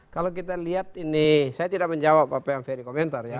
kalau kita lihat ini saya tidak menjawab apa yang ferry komentar ya